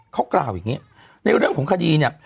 เขากล่าวอย่างนี้ในเรื่องของคดีเนี่ย